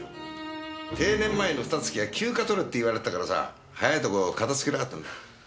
定年前の二月は休暇取れって言われてたからさ早いとこ片付けたかったんだ。